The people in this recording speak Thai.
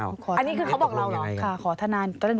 อันนี้คือเขาบอกเราอย่างไร